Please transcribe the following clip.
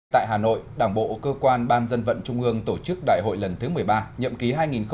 tại hà nội đảng bộ cơ quan ban dân vận trung ương tổ chức đại hội lần thứ một mươi ba nhậm ký hai nghìn hai mươi hai nghìn hai mươi năm